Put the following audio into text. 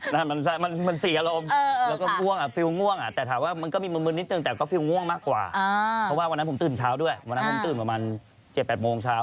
จริงกาลอย่างกลับมาตั้งแต่เทียงครึ่งแล้วเพราะว่ากากจากไปดูปฐุเกศ